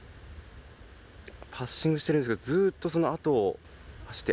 パッシングしているんですけどずっとそのあとを走って。